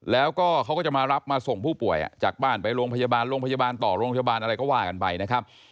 แล้วก็เขาก็จะมารับมาส่งผู้ป่วยจากบ้านไปโรงพยาบาลโรงพยาบาลต่อโรงพยาบาลอะไรก็ว่ากันไปนะครับ